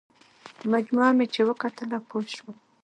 مجموعه مې چې وکتله پوه شوم.